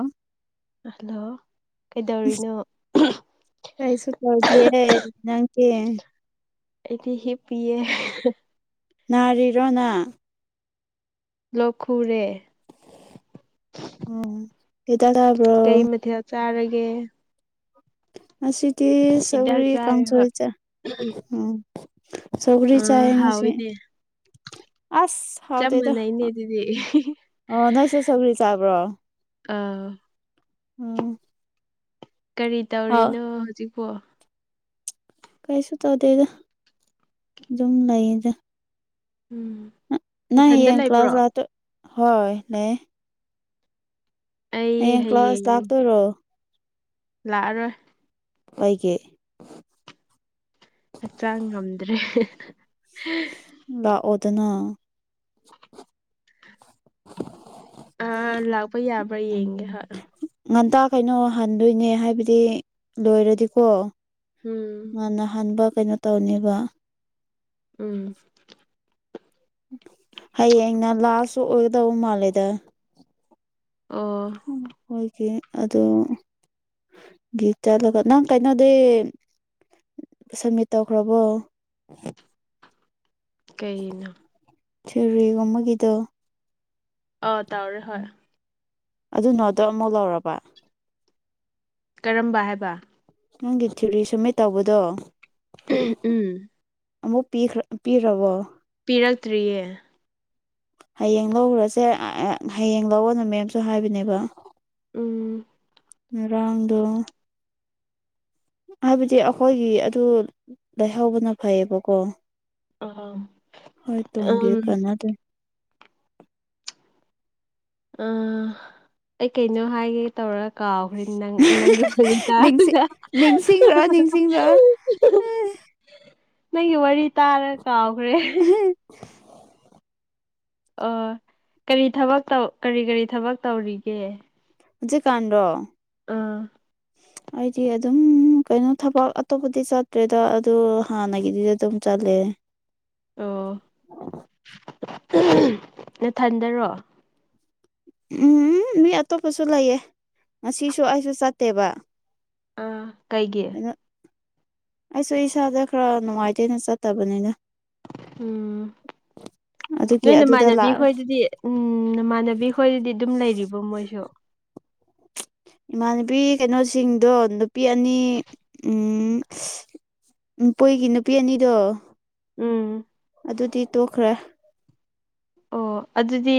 ꯑ ꯍꯜꯂꯣ ꯀꯩꯗꯧꯔꯤꯅꯣ ꯀꯩꯁꯨ ꯀꯧꯖꯦ ꯅꯥ ꯀ ꯏꯗꯤ ꯍꯤ ꯄꯑ ꯔꯤꯔꯅꯥ ꯂꯛꯈꯨꯔꯦ ꯑꯣ ꯁꯤꯗꯒꯕꯣ ꯦ ꯑꯁꯤꯗꯤ ꯁꯒꯔꯤ ꯀꯝ ꯆꯥꯔꯦ ꯆꯣ ꯍꯣꯏ ꯆ ꯑ ꯁꯒꯔꯤ ꯑꯥ ꯆꯥꯌꯦ ꯉꯁꯤ ꯍꯥꯎꯋꯤꯅꯦ ꯑꯁ ꯆꯞ ꯍꯥꯎꯗꯗ ꯃꯥꯟꯅꯩꯅꯦ ꯑꯗꯨꯗꯤ ꯑꯣ ꯅꯣꯏꯁꯦ ꯁꯒꯔꯤ ꯆꯥꯕ꯭ꯔꯣ ꯑꯥ ꯎꯝ ꯀꯔꯤ ꯍꯥꯎ ꯇꯧꯔꯤꯅꯣ ꯍꯧꯖꯤꯛꯐꯣ ꯀꯩꯁꯨ ꯇꯧꯗꯗ ꯑꯗꯨꯝ ꯂꯩꯌꯦꯖ ꯎꯝ ꯅ ꯅꯊꯟꯗ ꯌꯦꯡ ꯀ ꯀ꯭ꯂ ꯂꯩꯕ꯭ꯔꯣ ꯀ꯭ꯂꯥꯁꯇ ꯍꯣꯏ ꯂꯩ ꯍꯌꯦꯡ ꯀ꯭ꯂꯥꯁ ꯂꯥꯛꯇꯣꯏꯔꯣ ꯂꯥꯛꯑꯔꯣꯏ ꯄꯩꯒꯦ ꯍꯛꯆꯥꯡ ꯉꯝꯗ꯭ꯔꯦ ꯏꯇꯅꯥ ꯑꯥ ꯂꯥꯛꯄ ꯌꯥꯕ꯭ꯔꯥ ꯌꯦꯡꯒꯦ ꯍꯣꯏ ꯉꯟꯇꯥ ꯀꯩꯅꯣ ꯍꯟꯗꯣꯏꯅꯦ ꯍꯥꯏꯕꯗꯤ ꯂꯣꯏꯔꯗꯤꯀꯣ ꯎꯝ ꯉꯟꯅ ꯍꯟꯕ ꯀꯩꯅꯣ ꯇꯧꯅꯦꯕ ꯎꯝ ꯍꯌꯦꯡꯅ ꯂꯥꯁꯁꯨ ꯑꯣꯏꯒꯗꯧꯕ ꯃꯥꯜꯂꯦꯗ ꯑꯣ ꯎ ꯍꯣꯏ ꯀꯦ ꯑꯗꯨꯣ ꯒꯤ ꯆꯂꯒ ꯅꯪ ꯀꯩꯅꯣꯗꯤ ꯁꯝꯃꯤꯠ ꯇꯧꯈ꯭ꯔꯕꯣ ꯀꯩꯅ ꯁꯔꯤ ꯋꯥꯃꯒꯤꯗ ꯑ ꯇꯧꯔꯦ ꯍꯣꯏ ꯑꯗꯨꯅꯣꯗꯣ ꯑꯃꯨꯛ ꯂꯧꯔꯕ ꯀꯔꯝꯕ ꯍꯥꯏꯕ ꯅꯪꯒꯤ ꯊꯤꯔꯤ ꯁꯨꯝꯃꯦ ꯇꯧꯕꯗꯣ ꯎꯝ ꯑꯃꯨꯛ ꯄꯤꯈ꯭ꯔ ꯄꯤꯔꯕꯣ ꯄꯤꯔꯛꯇ꯭ꯔꯤꯌꯦ ꯍꯌꯦꯡ ꯂꯧꯈꯨꯔꯁꯦ ꯍꯌꯦꯡ ꯂꯧꯑꯣꯅ ꯃꯦꯝꯁꯨ ꯍꯥꯏꯕꯅꯦꯕ ꯎꯝ ꯃꯥꯡꯗ ꯍꯥꯏꯕꯗꯤ ꯑꯩꯈꯣꯏꯒꯤ ꯑꯗꯨ ꯂꯩꯥꯏꯍꯧꯕꯅ ꯐꯩꯌꯦꯕꯀꯣ ꯑꯥ ꯍꯣꯏ ꯎꯝ ꯇꯨꯡꯒꯤꯦ ꯀꯅꯥꯗꯤ ꯑ ꯑꯩ ꯀꯩꯅꯣ ꯍꯥꯏꯒꯦ ꯇꯧꯔ ꯀꯥꯎꯈ꯭ꯔꯦ ꯅꯪ ꯅꯪꯒꯤ ꯅꯤꯡꯁꯤꯡ ꯋꯥꯔꯤꯇꯥꯔꯅꯦ ꯅꯤꯡꯁꯤꯡꯔꯣ ꯅꯤꯡꯁꯤꯡꯔꯣ ꯅꯪꯒꯤ ꯋꯥꯔꯤ ꯇꯥꯔ ꯀꯥꯎꯈ꯭ꯔꯦ ꯑꯣ ꯀꯔꯤ ꯊꯕꯛꯧ ꯀꯔꯤ ꯀꯔꯤ ꯊꯕꯛ ꯇꯧꯔꯤꯒꯦ ꯍꯧ ꯎꯆꯦ ꯀꯥꯟꯗ ꯑꯥ ꯑꯩꯗꯤ ꯑꯗꯨꯝ ꯀꯩꯅꯣ ꯊꯕꯛ ꯑꯇꯣꯞꯄꯗꯤ ꯆꯠꯇ꯭ꯔꯦꯗ ꯑꯗꯨ ꯍꯥꯟꯅꯒꯤꯗꯤ ꯑꯗꯨꯝ ꯆꯠ ꯑꯦ ꯑꯣ ꯅ ꯊꯟꯗꯔꯣ ꯎꯝ ꯃꯤ ꯑꯇꯣꯞꯄꯁꯨ ꯂꯩꯌꯦ ꯉꯁꯤꯁꯨ ꯑꯩꯁꯨ ꯆꯠꯇꯦꯕ ꯑꯥ ꯀꯩꯒꯤ ꯀꯩꯅꯣ ꯑꯩꯁꯨ ꯏꯁꯥꯗ ꯈꯔ ꯅꯨꯡꯉꯥꯏꯇꯦꯅ ꯆꯠꯇꯕꯅꯤꯅ ꯎꯝ ꯑꯗꯨꯒꯤ ꯅꯣꯏ ꯑꯗꯨꯗ ꯅꯃꯥꯟꯅꯕꯤ ꯂꯥꯛꯑ ꯈꯣꯏꯗꯗꯤ ꯎꯝ ꯅꯃꯥꯟꯅꯕꯤ ꯈꯣꯏꯗꯗꯤ ꯑꯗꯨꯝ ꯂꯩꯔꯤꯕꯣ ꯃꯣꯏꯁꯨ ꯏꯃꯥꯟꯅꯕꯤ ꯀꯩꯅꯣꯁꯤꯡꯗꯣ ꯅꯨꯄꯤ ꯑꯅꯤ ꯎ ꯎꯝ ꯀꯣꯏꯒꯤ ꯅꯨꯄꯤ ꯑꯅꯤꯗꯣ ꯎꯝ ꯑꯗꯨꯗꯤ ꯇꯣꯛꯈ꯭ꯔꯦ ꯑꯣ ꯑꯗꯨꯗꯤ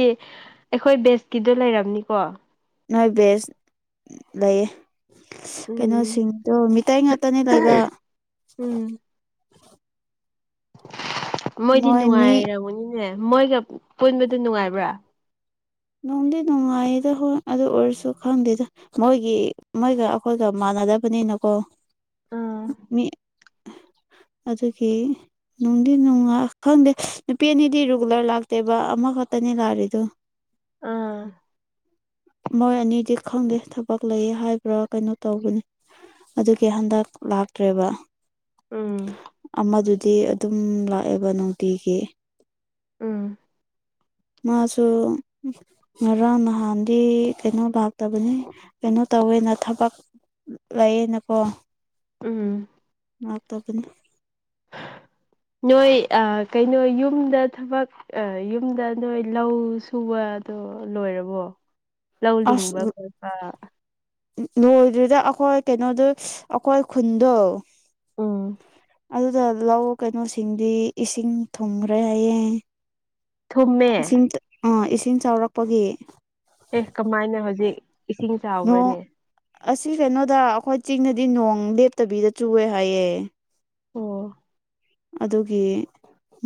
ꯑꯩꯈꯣꯏ ꯕꯦꯁꯀꯤꯗꯣ ꯂꯩꯔꯝꯅꯤꯀꯣ ꯅꯣꯏ ꯕꯦꯁ ꯂꯩꯌꯦ ꯎꯝ ꯀꯩꯅꯣꯁꯤꯡꯗꯣ ꯃꯤꯇꯩ ꯉꯥꯛꯇꯅꯤ ꯂꯩꯕ ꯎꯝ ꯃꯣꯏꯗꯤ ꯃꯣꯏ ꯃꯤ ꯅꯨꯡꯉꯥꯏꯔꯃꯨꯅꯤꯅꯦ ꯃꯣꯏꯒ ꯄꯨꯟꯕꯗ ꯅꯨꯡꯉꯥꯏꯕ꯭ꯔꯥ ꯅꯨꯡꯗꯤ ꯅꯨꯡꯉꯥꯏꯗ ꯍꯣꯏ ꯑꯗꯨ ꯑꯣꯏꯔꯁꯨ ꯈꯪꯗꯦꯗ ꯃꯣꯏꯒꯤ ꯃꯣꯏꯒ ꯑꯩꯈꯣꯏꯒ ꯗ ꯅꯀꯣ ꯑꯥ ꯃꯤ [unintelligible] ꯑꯗꯨꯒꯤ ꯅꯨꯡꯗꯤ ꯅꯨꯡꯉꯥ ꯈꯪꯗꯦ ꯅꯨꯄꯤ ꯑꯅꯤꯗꯤ ꯔꯤꯒꯨꯂꯔ ꯂꯥꯛꯇꯦꯕ ꯑꯃꯈꯛ ꯇꯅꯤ ꯀꯥꯔꯤꯗꯨ ꯑꯥ ꯃꯣꯏ ꯑꯅꯤꯗꯤ ꯈꯪꯗꯦ ꯊꯕꯛ ꯂꯩꯌꯦ ꯍꯥꯏꯕ꯭ꯔꯥ ꯀꯩꯅꯣ ꯇꯧꯕꯅꯤ ꯑꯗꯨꯒꯤ ꯍꯟꯗꯛ ꯂꯥꯛꯇ꯭ꯔꯦꯕ ꯎꯝ ꯑꯃꯗꯨꯗꯤ ꯑꯗꯨꯝ ꯂꯥꯛꯑꯦꯕ ꯅꯨꯡꯇꯤꯒꯤ [unintelligible] ꯃꯥꯁꯨ ꯉꯔꯥꯡ ꯅꯍꯥꯟꯗꯤ ꯀꯩꯅꯣ ꯂꯥꯛꯇꯕꯅꯤ ꯀꯩꯅꯣ ꯇꯧꯋꯦꯅ ꯊꯕꯛ ꯂꯩꯌꯦꯅꯀꯣ ꯎꯝ ꯉ ꯇꯥꯕꯅ ꯅꯣꯏ ꯀꯩꯅꯣ ꯌꯨꯝꯗ ꯊꯕꯛ ꯌꯨꯝꯗ ꯅꯣꯏ ꯂꯧ ꯁꯨꯕ ꯑꯗꯣ ꯂꯣꯏꯔꯕꯣ ꯂꯧ ꯂꯤꯡꯕ ꯈꯣꯠꯄ ꯂꯣꯏꯗ꯭ꯗ ꯑꯩꯈꯣꯏ ꯀꯩꯅꯣꯗ ꯑꯩꯈꯣꯏ ꯈꯨꯟꯗꯣ ꯑꯥ ꯑꯗꯨꯗ ꯂꯧ ꯀꯩꯅꯣꯁꯤꯡꯗꯤ ꯏꯁꯤꯡ ꯊꯨꯡꯈ꯭ꯔꯦ ꯍꯌꯦꯡ ꯊꯨꯝꯃꯦ ꯑꯥ ꯏꯁꯤꯡ ꯆꯥꯎꯔꯛꯄꯒꯤ ꯑꯦ ꯀꯃꯥꯏꯅ ꯍꯧꯖꯤꯛ ꯏꯁꯤꯡ ꯅꯣꯡ ꯆꯥꯎꯕ꯭ꯔꯅꯦ ꯑꯁꯤ ꯀꯩꯅꯣꯗ ꯑꯩꯈꯣꯏ ꯆꯤꯡꯅꯗꯤ ꯅꯣꯡ ꯂꯦꯞꯇꯕꯤꯗ ꯆꯨꯋꯦ ꯍꯥꯏꯌꯦꯦ ꯑꯣ ꯑꯗꯨꯒꯤ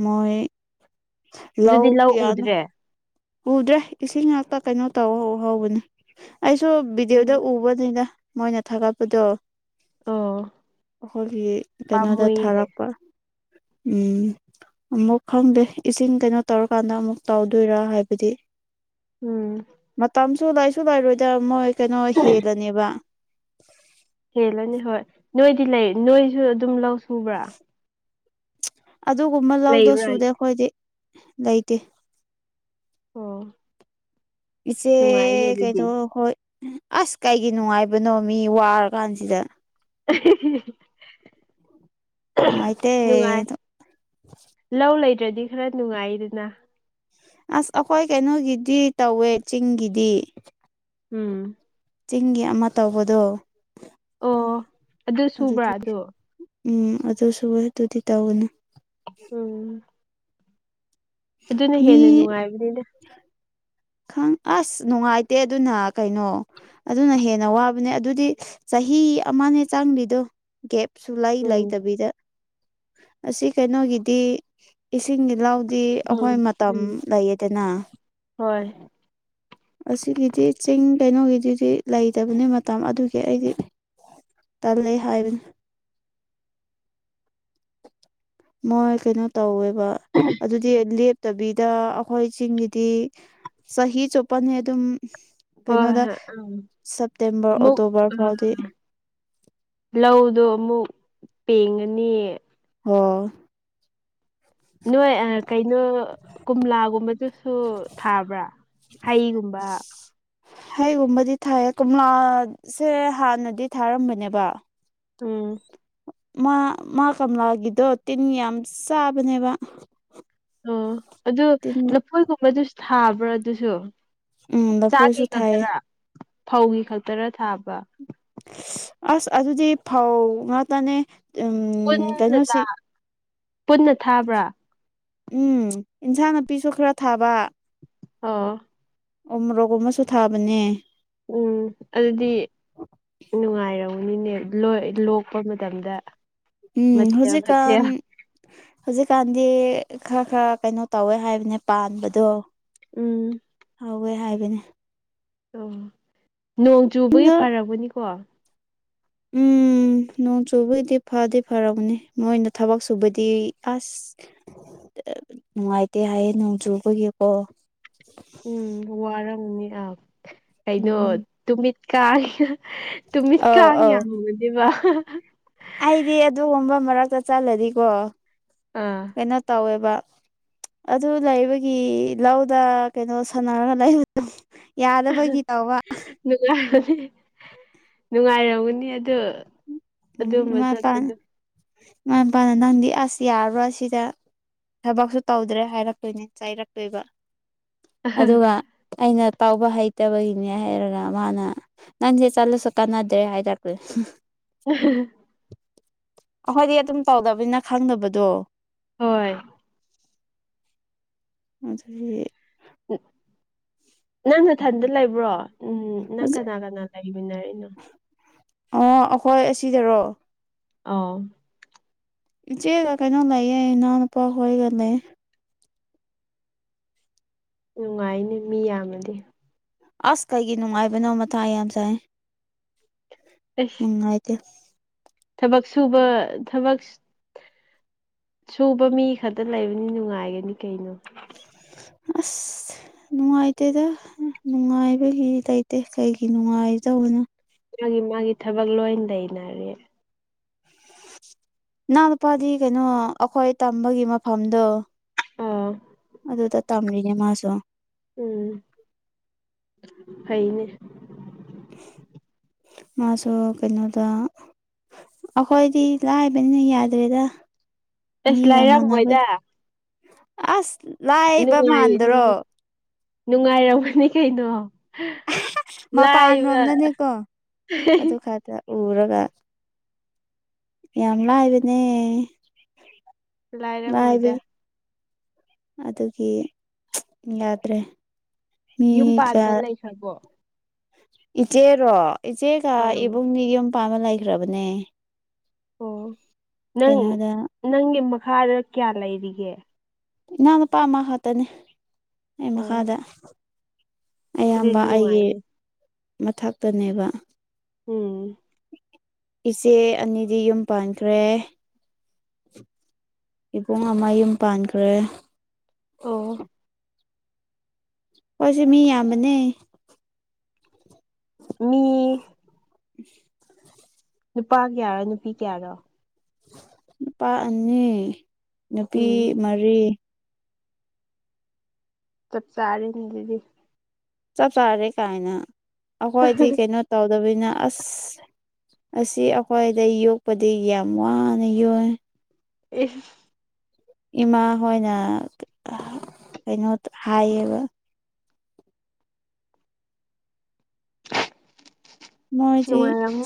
ꯃꯣꯏ ꯂꯧ ꯑꯗꯨꯗꯤ ꯀꯌꯥꯅꯣ ꯎꯗ꯭ꯔꯦ ꯎꯗ꯭ꯔꯦ ꯏꯁꯤꯡ ꯉꯥꯛꯇ ꯀꯩꯅꯣ ꯇꯧ ꯍꯧ ꯍꯧꯕꯅꯦ ꯑꯩꯁꯨ ꯚꯗꯤꯑꯣꯗ ꯎꯕꯅꯤꯅ ꯃꯣꯏꯅ ꯊꯥꯒꯠꯄꯗꯣ ꯑꯣ ꯑꯩꯈꯣꯏꯒꯤ ꯀꯩꯅꯣꯗ ꯄꯥꯝꯃꯨꯏꯅꯦ ꯊꯥꯔꯛꯄ ꯎꯝ ꯑꯃꯨꯛ ꯈꯪꯗꯦ ꯏꯁꯤꯡ ꯀꯩꯅꯣ ꯇꯧꯔꯀꯥꯟꯗ ꯑꯃꯨꯛ ꯇꯧꯗꯣꯏꯔꯥ ꯍꯥꯏꯕ ꯑꯗꯨꯗꯤ ꯎꯝ ꯁꯨ ꯂꯥꯏꯁꯨ ꯂꯥꯏꯔꯣꯏꯗ ꯃꯣꯏ ꯀꯩꯅꯣ ꯍꯦꯜꯂꯅꯦꯕ ꯍꯦꯜꯂꯅꯤ ꯍꯣꯏ ꯅꯣꯏꯗꯤ ꯂꯩ ꯅꯣꯏꯁꯨ ꯑꯗꯨꯝ ꯂꯧ ꯁꯨꯕ꯭ꯔꯥ ꯑꯗꯨꯒꯨꯝꯕ ꯂꯧꯗ ꯂꯩꯕ꯭ꯔꯥ ꯁꯨꯗꯤ ꯑꯩꯈꯣꯏꯗꯤ ꯂꯩꯇꯦ ꯑꯣ ꯏꯆꯦ ꯅꯨꯡꯉꯥꯏꯅꯦ ꯑꯗꯨꯗꯤ ꯀꯩꯗꯣ ꯍꯣꯏ ꯑꯁ ꯀꯩꯒꯤ ꯅꯨꯡꯉꯥꯏꯕꯅꯣ ꯃꯤ ꯋꯥꯔ ꯀꯥꯟꯁꯤꯗ [unintelligible] ꯅꯨꯡꯉꯥꯏꯇꯦ ꯅꯨꯡꯉꯥꯏ ꯂꯧ ꯂꯩꯗ꯭ꯔꯗꯤ ꯈꯔ ꯅꯨꯡꯉꯥꯏꯗꯅ ꯑꯁ ꯑꯩꯈꯣꯏ ꯀꯩꯅꯣꯒꯤꯗꯤ ꯇꯧꯋꯦ ꯆꯤꯡꯒꯤꯗꯤ ꯎꯝ ꯆꯤꯡꯒꯤ ꯑꯃ ꯇꯧꯕꯗꯣ ꯑꯣ ꯑꯗꯨ ꯁꯨꯕ꯭ꯔꯥ ꯑꯗꯨꯗꯤ ꯑꯣ ꯎꯝ ꯑꯗꯨꯁꯨ ꯑꯗꯨꯗꯤ ꯇꯧꯅꯤ ꯎꯝ ꯑꯗꯨꯅ ꯍꯦꯟꯅ ꯃꯤ ꯅꯨꯡꯉꯥꯏꯕꯅꯤꯅ ꯈ ꯑꯁ ꯅꯨꯡꯉꯥꯏꯇꯦ ꯑꯗꯨꯅ ꯀꯩꯅꯣ ꯑꯗꯨꯅ ꯍꯦꯟꯅ ꯋꯥꯕꯅꯦ ꯑꯗꯨꯗꯤ ꯆꯍꯤ ꯑꯃꯅꯦ ꯆꯥꯡꯂꯤꯗꯣ ꯒꯦꯞ ꯁꯨ ꯂꯥꯏ ꯎꯝ ꯂꯩꯥꯏꯇꯕꯤꯗ ꯑꯁꯤ ꯀꯩꯅꯣꯒꯤꯗꯤ ꯏꯁꯤꯡꯗꯤ ꯂꯥꯎ ꯗꯤ ꯑꯩꯈꯣꯏ ꯎꯝ ꯃꯇꯝ ꯎꯝ ꯂꯩꯌꯦꯗꯅ ꯍꯣꯏ ꯑꯁꯤꯒꯤꯗꯤ ꯆꯤꯡ ꯀꯩꯅꯣꯒꯤꯗꯨꯗꯤ ꯂꯩꯇꯕꯅꯦ ꯃꯇꯝ ꯑꯗꯨꯒꯤ ꯑꯩꯗꯤ ꯇꯂꯦ ꯍꯥꯏꯔꯤꯕꯅꯦ [inaudible] ꯃꯣꯏ ꯀꯩꯅꯣ ꯇꯧꯋꯦꯕ ꯑꯗꯨꯗꯤꯞ ꯅ ꯗꯕꯤꯗ ꯑꯩꯈꯣꯏꯁꯤꯡꯒꯤꯗꯤ ꯆꯍꯤ ꯆꯨꯞꯄꯅꯤ ꯑꯗꯨꯝ ꯍꯣꯏ ꯀꯩꯅꯣꯗ ꯍꯣꯏ ꯎꯝ ꯁꯦꯞꯇꯦꯝꯕꯔ ꯑꯃꯨꯛ ꯑꯣꯛꯇꯣꯕꯔ ꯐꯥꯎꯗꯤ ꯂꯧꯗꯣ ꯑꯃꯨꯛ ꯄꯦꯡꯉꯅꯤ ꯍ ꯅꯣꯏ ꯀꯩꯅꯣ ꯀꯣꯝꯂꯥꯒꯨꯝꯕꯗꯨꯁꯨ ꯊꯥꯕ꯭ꯔꯥ ꯍꯩꯒꯨꯝꯕ ꯍꯩꯒꯨꯝꯕꯗꯤ ꯊꯥꯏꯌꯦ ꯀꯣꯝꯂꯥꯁꯦ ꯍꯥꯟꯅꯗꯤ ꯊꯥꯔꯝꯕꯅꯦꯕ ꯎꯝ ꯃꯥ ꯃꯥ ꯀꯂꯥꯒꯤꯗꯣ ꯇꯤꯟ ꯌꯥꯝ ꯆꯥꯕꯅꯦꯕ ꯑꯣ ꯑꯗꯨ ꯇꯤꯟ ꯂꯐꯣꯏꯒꯨꯝꯕꯗꯨꯁꯨ ꯊꯥꯕ꯭ꯔꯥ ꯑꯗꯨꯁꯨ ꯎꯝ ꯆꯥꯛꯀꯤ ꯂꯐꯣꯏꯁꯨ ꯊꯥꯏꯌꯦ ꯈꯛꯇꯔꯥ ꯐꯧꯒꯤ ꯈꯛꯇꯔꯥ ꯊꯥꯕ ꯑꯁ ꯑꯗꯨꯗꯤ ꯐꯥꯎ ꯉꯥꯛꯇꯅꯦ ꯎꯝ ꯄꯨꯟꯅ ꯊꯥ ꯀꯩꯅꯣꯁꯤ ꯄꯨꯟꯅ ꯊꯥꯕ꯭ꯔꯥ ꯎꯝ ꯏꯟꯁꯥꯡ ꯅꯥꯄꯤꯁꯨ ꯈꯔ ꯊꯥꯕ ꯑꯥ ꯎꯔꯣꯛꯒꯨꯝ ꯑꯃꯁꯨ ꯊꯥꯕꯅꯦ ꯎꯝ ꯑꯗꯨꯗꯤ ꯅꯨꯡꯉꯥꯏꯔꯝ ꯅꯦ ꯂꯣꯛꯄ ꯃꯇꯝꯗ ꯎꯝ ꯃꯊꯦꯜ ꯍꯧꯖꯤꯛꯀꯥꯟ ꯃꯊꯦꯜ ꯍꯧꯖꯤꯛꯀꯥꯟꯗꯤ ꯈꯔ ꯈꯔ ꯀꯩꯅꯣ ꯇꯧꯋꯦ ꯍꯥꯏꯕꯅꯦ ꯄꯥꯟꯕꯗꯣ ꯎꯝ ꯇꯧꯋꯦ ꯍꯥꯏꯕꯅꯦ ꯑꯣ ꯅꯣꯡ ꯆꯨꯕꯒꯤ ꯐꯔꯕꯅꯤꯀꯣ ꯎꯝ ꯎꯝ ꯅꯣꯡ ꯆꯨꯕꯒꯤꯗꯤ ꯐꯗꯤ ꯐꯔꯕꯅꯤ ꯃꯣꯏꯅ ꯊꯕꯛ ꯁꯨꯕꯗꯤ ꯑꯁ ꯅꯨꯡꯉꯥꯏꯇꯦ ꯍꯥꯏꯌꯦ ꯅꯣꯡ ꯆꯨꯕꯒꯤꯀꯣ ꯎꯝ ꯋꯥꯔꯝꯅꯤ ꯑ ꯀꯩꯅꯣ ꯎꯝ ꯇꯨꯃꯤꯠꯀ ꯇꯃꯤꯃꯤ ꯑꯧ ꯀꯥꯉ ꯑꯧ ꯌꯥꯉꯅꯦꯕ ꯑꯩꯗꯤ ꯑꯗꯨꯒꯨꯝꯕ ꯃꯔꯛꯇ ꯆꯠꯂꯗꯤꯀꯣ ꯑꯥ ꯀꯩꯅꯣ ꯇꯧꯋꯦꯕ ꯑꯗꯨ ꯂꯩꯕꯒꯤ ꯂꯧꯗ ꯀꯩꯅꯣ ꯁꯥꯟꯅꯔꯒ ꯂꯩꯕꯗ [unintelligible] ꯅꯨꯡꯉꯥꯏꯔꯝꯒꯅꯤ ꯑꯗꯨ ꯎꯝ ꯑꯗꯨꯝꯕ ꯏꯃꯥ ꯏꯄꯥ ꯆꯠꯄꯗꯣ ꯏꯃꯥ ꯏꯄꯥꯅ ꯅꯪꯗꯤ ꯑꯁ ꯌꯥꯔꯣ ꯁꯤꯗ ꯊꯕꯛꯁꯨ ꯇꯧꯗ꯭ꯔꯦ ꯍꯥꯏꯔꯛꯇꯣꯏꯅꯤ ꯆꯩꯥꯏꯔꯛꯇꯣꯏꯕ ꯑꯗꯨꯒ ꯑꯩꯅ ꯇꯥꯎꯕ ꯍꯩꯇꯕꯒꯤꯅꯦ ꯍꯥꯏꯩꯔꯒ ꯃꯥꯅ ꯅꯪꯁꯦ ꯆꯠꯂꯁꯨ ꯀꯥꯟꯅꯗ꯭ꯔꯦ ꯍꯥꯏꯔꯛꯄꯦ [unintelligible] ꯑꯩꯈꯣꯏꯗꯤ ꯑꯗꯨꯝ ꯇꯧꯗꯕꯅꯤꯅ ꯈꯪꯗꯕꯗꯣ ꯍꯣꯏ ꯃ ꯑꯗꯨ ꯅꯪꯁꯨꯊꯟꯗ ꯂꯩꯕ꯭ꯔꯣ ꯎꯝ ꯅꯪ ꯀꯅꯥ ꯀꯅꯥ ꯂꯩꯃꯤꯅꯅꯣ ꯑꯣ ꯑꯩꯈꯣꯏ ꯑꯁꯤꯗꯔꯣ ꯑ ꯏꯆꯦ ꯀꯩꯅꯣ ꯂꯩꯌꯦꯦ ꯏꯅꯥꯎꯅꯄꯥ ꯍꯒꯂꯦ ꯅꯨꯡꯉꯥꯏꯅꯦ ꯃꯤ ꯌꯥꯝꯅꯗꯤ ꯑꯁ ꯀꯩꯒꯤ ꯅꯨꯡꯉꯥꯏꯕꯅꯣ ꯃꯊꯥ ꯌꯥꯝ ꯆꯥꯏ ꯑꯁ ꯎꯉꯥꯏꯗꯤꯦ ꯊꯕꯛ ꯁꯨꯕ ꯊꯕꯛ ꯁꯨꯕ ꯃꯤ ꯈꯛꯇ ꯂꯩꯕꯅꯤ ꯅꯨꯡꯉꯥꯏꯒꯅꯤ ꯀꯩꯅꯣ ꯑ ꯅꯨꯡꯉꯥꯏꯇꯦꯗ ꯅꯨꯡꯉꯥꯏꯕꯒꯤ ꯂꯩꯇꯦ ꯀꯩꯒꯤ ꯅꯨꯡꯉꯥꯏꯗꯧꯕꯅꯣ ꯃꯥꯒꯤ ꯃꯥꯒꯤ ꯊꯕꯛ ꯂꯣꯏ ꯂꯩꯅꯔꯦ ꯅꯍ ꯂꯨꯄꯥꯗꯤ ꯀꯩꯅꯣ ꯑꯩꯈꯣꯏ ꯇꯝꯕꯒꯤ ꯃꯐꯝꯗꯣ ꯑꯥ ꯑꯗꯨꯗ ꯇꯝꯔꯤꯅꯦ ꯃꯥꯁꯨ ꯎꯝ ꯍꯩꯅꯦ ꯃꯥꯁꯨ ꯀꯩꯅꯣꯗ ꯑꯩꯈꯣꯏꯗꯤ ꯂꯥꯏꯕꯅꯤꯅ ꯌꯥꯗ꯭ꯔꯦꯗ ꯃꯤ ꯑꯁ ꯀ ꯃꯅꯥꯕ ꯂꯥꯏꯔꯝꯃꯣꯏꯗ ꯑꯁ ꯂꯥꯏꯕ ꯃꯥꯟꯗ꯭ꯔꯣ ꯅꯨꯡꯉꯥꯏꯔꯃꯅꯤ ꯀꯩꯅꯣ ꯃꯄꯥꯟ ꯂꯥꯏꯕ ꯔꯣꯝꯗꯅꯦꯀꯣ ꯑꯗꯨ ꯈꯛꯇ ꯎꯔꯒ ꯌꯥꯝ ꯂꯑꯗꯅꯦ ꯂꯥꯏꯔꯝꯃꯣꯏꯗ ꯑꯗꯨꯒꯤ ꯌꯥꯗ꯭ꯔꯦ ꯌꯨꯝ ꯃꯤꯒ ꯄꯥꯟꯕ ꯂꯩꯈ꯭ꯔꯕꯣ ꯏꯆꯦꯔꯣ ꯏꯆꯦꯒ ꯑꯥ ꯏꯕꯨꯡꯅꯤ ꯌꯨꯝ ꯄꯃ ꯂꯩꯈ꯭ꯔꯕꯅꯦ ꯑꯣ ꯅꯪ ꯀꯩꯅꯣꯗ ꯅꯪꯒꯤ ꯃꯈꯥꯗ ꯀꯌꯥ ꯂꯩꯔꯤꯒꯦ ꯏꯅꯥꯎꯅꯨꯄꯥ ꯑꯃ ꯈꯥꯛꯇꯅꯤ ꯑꯩ ꯃꯈꯥꯗ ꯔꯔꯤꯂꯤꯅ ꯋꯥꯏꯅꯦ ꯃꯊꯇꯅꯦꯕ ꯎꯝ ꯏꯆꯦ ꯑꯅꯤꯗꯤ ꯌꯨꯝ ꯄꯥꯟꯈ꯭ꯔꯦ ꯏꯕꯨꯡ ꯑꯃ ꯌꯨꯝ ꯄꯥꯟꯈ꯭ꯔꯦ ꯑꯣ ꯄꯁ ꯃꯤ ꯌꯥꯝꯕꯅꯦ ꯃꯤ ꯎ ꯅꯨꯄꯥ ꯀꯌꯥꯔꯣ ꯅꯨꯄꯤ ꯀꯌꯥꯔꯣ ꯅꯨꯄꯥ ꯑꯅꯤ ꯅꯨꯄꯤ ꯎꯝ ꯃꯔꯤ ꯆꯞ ꯆꯥꯔꯅꯤꯤꯗꯤ ꯆꯞ ꯆꯥꯔꯦ ꯀꯥꯏꯅ ꯑꯩꯈꯣꯏꯗꯤ ꯀꯩꯅꯣ ꯇꯧꯗꯕꯅꯤꯅ ꯑꯁ ꯑꯁꯤ ꯑꯩꯈꯣꯏꯗ ꯌꯣꯛꯄꯗꯤ ꯌꯥꯝ ꯋꯥꯅ ꯌꯣꯛ ꯑꯦ ꯏꯃꯥ ꯍꯣꯏꯅ ꯀꯩꯅꯣ ꯍꯥꯏꯌꯦꯕ ꯃꯣꯏꯗꯤ ꯅꯨꯡꯉꯥꯏꯔꯝꯅꯤ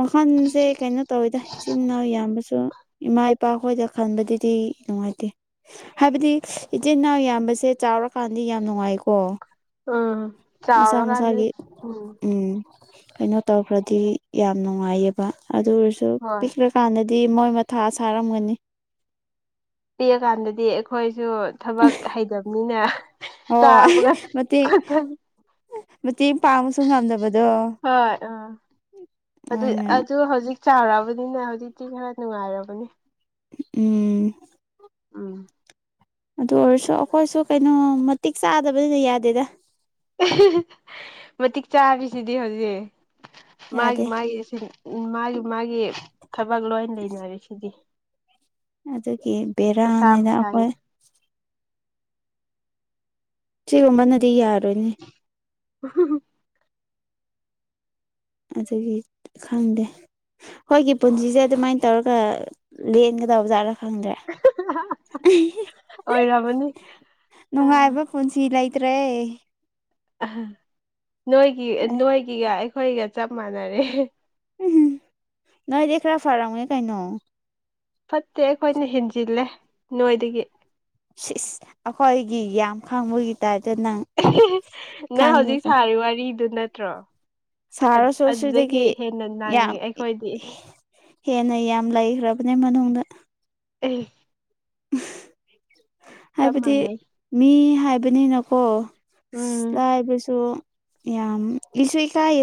ꯋꯥꯈꯜꯁꯦ ꯀꯩꯅꯣ ꯇꯧꯋꯤꯗ ꯏꯆꯤꯟꯜ ꯏꯅꯥꯎ ꯏꯕꯁꯨ ꯏꯃꯥ ꯏ ꯏꯄꯥ ꯑꯩꯈꯣꯏꯗ ꯈꯟꯕꯗꯨꯗꯤ ꯅꯨꯡꯉꯥꯏꯇꯦ ꯍꯥꯏꯕꯗꯤ ꯏꯆꯤꯟ ꯏꯅꯥꯎ ꯌꯥꯝꯕꯁꯦ ꯆꯥꯎꯔꯀꯥꯟꯗꯤ ꯌꯥꯝ ꯅꯨꯡꯉꯥꯏꯀꯣ ꯎꯝ ꯆꯥꯕ ꯃꯁꯥ ꯀꯥꯟꯅ ꯃꯁꯥꯒꯤ ꯎꯝ ꯀꯩꯅꯣ ꯇꯧꯈ꯭ꯔꯗꯤ ꯌꯥꯝ ꯅꯨꯡꯉꯥꯏꯌꯦꯕ ꯑꯗꯨ ꯑꯣꯏꯔꯁꯨ ꯍꯣꯏ ꯄꯤꯛꯂꯀꯥꯟꯗꯗꯤ ꯗꯤ ꯃꯣꯏ ꯃꯊꯥ ꯁꯥꯔꯝꯒꯅꯤ ꯄꯤꯔꯀꯥꯟꯗꯗꯤ ꯑꯩꯈꯣꯏꯁꯨ ꯊꯕꯛ ꯍꯩꯇꯕꯅꯤꯅ ꯑꯣ ꯆꯥꯕꯒ ꯃꯦ ꯊꯛꯄꯒ ꯍꯣꯏ ꯑ ꯑꯗꯨ ꯃꯣꯏꯅ ꯑꯗꯨ ꯍꯧꯖꯤꯛ ꯆꯥꯎꯔꯛꯑꯕꯅꯤꯅ ꯍꯧꯖꯤꯛꯇꯤ ꯈꯔ ꯅꯨꯡꯉꯥꯏꯔꯕꯅꯦ ꯎꯝ ꯎꯝ ꯑꯗꯨ ꯑꯣꯏꯔꯁꯨ ꯑꯩꯈꯣꯏꯁꯨ ꯀꯩꯅꯣ ꯃꯇꯤꯛ ꯆꯥꯗꯕꯅꯤꯅ ꯌꯥꯗꯦꯗ ꯃꯇꯤꯛ ꯆꯥꯕꯤꯁꯤꯗꯤ ꯍꯧꯖꯤꯛ ꯃꯥꯒꯤ ꯌꯥꯗꯦ ꯃꯥꯒꯤ ꯎ ꯃꯥꯒꯤ ꯃꯥꯒꯤ ꯊꯕꯛ ꯂꯣꯏ ꯂꯩꯅꯔꯦꯁꯤꯗꯤ ꯑꯗꯨꯒꯤ ꯕꯦꯔꯥꯅꯤꯗ ꯃꯁꯥꯒꯤ ꯑꯩꯈꯣꯏ ꯁꯤꯒꯨꯝꯕꯅꯗꯤ ꯌꯥꯔꯣꯏꯅꯦ [unintelligible] ꯑꯗꯨꯗꯒꯤ ꯈꯪꯗꯦ ꯍꯣꯏꯒꯤ ꯄꯨꯟꯁꯤꯁꯦ ꯑꯗꯨꯃꯥꯏ ꯇꯧꯔꯒ ꯂꯦꯡꯒꯗꯕ ꯖꯥꯠꯔꯣ ꯈꯪꯗ꯭ꯔꯦ ꯑꯣꯏꯔꯝꯃꯅꯤ ꯅꯨꯡꯉꯥꯏꯕ ꯑꯥ ꯄꯨꯟꯁꯤ ꯂꯩ ꯇꯦ ꯑ ꯅꯣꯏꯒꯤ ꯅꯣꯏꯒꯤꯒ ꯑꯩꯈꯣꯏꯒ ꯆꯞ ꯃꯥꯟꯅꯔꯦ ꯎ ꯅꯣꯏ ꯗꯔꯥ ꯐꯔꯉꯦ ꯀꯥꯏꯅꯣ ꯐꯠꯇꯦ ꯑꯩꯈꯣꯏꯅ ꯍꯦꯟꯖꯤꯜꯂꯦ ꯅꯣꯏꯗꯒꯤ ꯑꯩꯈꯣꯏꯒꯤ ꯌꯥꯝ ꯈꯪꯕꯒꯤ ꯇꯔꯦ ꯅꯪ ꯍꯧꯖꯤꯛ ꯁꯥꯔꯤ ꯋꯥꯔꯤꯗꯨ ꯅꯠꯇ꯭ꯔꯣ ꯁꯥꯔ ꯑꯗꯨꯗꯒꯤ ꯁꯣꯁꯤꯗꯒꯤ ꯍꯦꯟꯅ ꯌꯥꯝ ꯅꯪꯉꯦ ꯑꯩꯈꯣꯏꯗꯤ ꯍꯦꯟꯅ ꯌꯥꯝ ꯂꯩꯈ꯭ꯔꯕꯅꯦ ꯃꯅꯨꯡꯗ ꯑꯦ ꯆꯞ ꯍꯥꯏꯕꯗꯤ ꯃꯥꯟꯅꯩ ꯃꯤ ꯍꯥꯏꯕꯅꯤꯅꯀꯣ ꯎꯝ ꯂꯥꯏ ꯄꯁꯨꯣ ꯌꯥꯝ ꯏꯁꯨ ꯀꯥꯏ